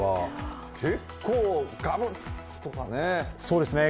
結構、ガブッとかね。